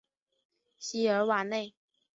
西尔瓦内。